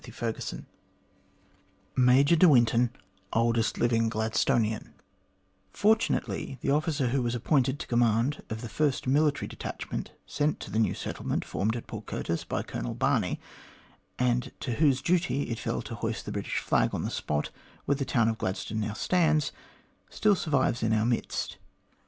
CHAPTEE XIV MAJOR DE WINTON : OLDEST LIVING GLADSTONIAN FORTUNATELY the officer who was appointed to the command of the first military detachment sent to the new settlement formed at Port Curtis by Colonel Barney, and to whose duty it fell to hoist the British flag on the spot where the town of Gladstone now stands, still survives in our midst.